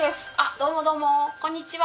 どうもどうもこんにちは。